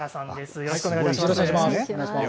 よろしくお願いします。